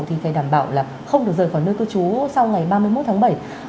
thì phải đảm bảo là không được rời khỏi nơi cư trú sau ngày ba mươi một tháng bảy